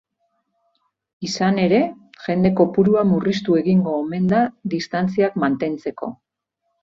Izan ere, jende kopurua murriztu egingo omen da distantziak mantentzeko.